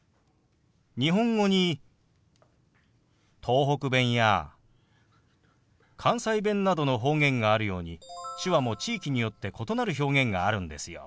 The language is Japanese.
日本語に東北弁や関西弁などの方言があるように手話も地域によって異なる表現があるんですよ。